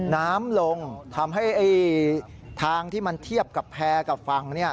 น้ำลงทำให้ทางที่มันเทียบกับแพร่กับฝั่ง